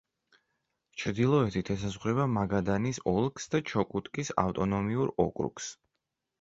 ჩრდილოეთით ესაზღვრება მაგადანის ოლქს და ჩუკოტკის ავტონომიურ ოკრუგს.